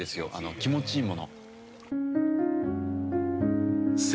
気持ちいいもの。